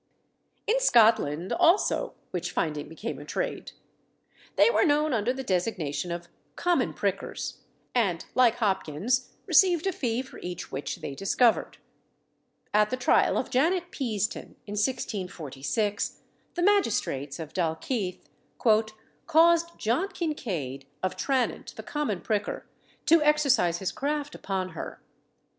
In Scotland also witch finding became a trade. They were known under the designation of "common prickers," and, like Hopkins, received a fee for each witch they discovered. At the trial of Janet Peaston, in 1646, the magistrates of Dalkeith "caused John Kincaid of Tranent, the common pricker, to exercise his craft upon her.